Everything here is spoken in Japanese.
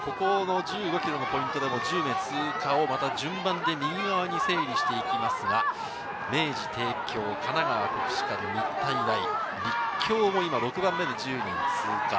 １５ｋｍのポイントでも１０名通過を、また順番で右側に整理していきますが、明治、帝京、神奈川、国士舘、日体大、立教も今、６番目で１０位通過。